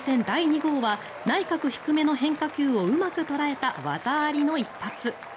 第２号は内角低めの変化球をうまく捉えた技ありの一発。